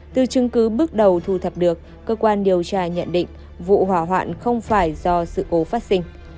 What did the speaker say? từ chứng cứ bước đầu thu thập được cơ quan điều tra nhận định vụ hỏa hoạn không phải do sự cố phát sinh